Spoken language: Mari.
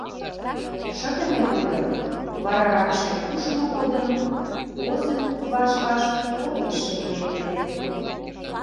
Шытыме годым, вараракше кушмо годым, озым ваш-ваш огеш шыгыремде.